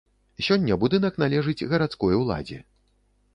Сёння будынак належыць гарадской уладзе.